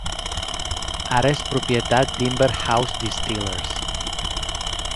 Ara és propietat d'Inver House Distillers.